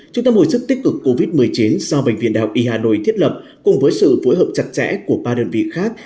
trung tâm hồi sức tích cực covid một mươi chín do bệnh viện đại học y hà nội thiết lập cùng với sự phối hợp chặt chẽ của ba đơn vị khác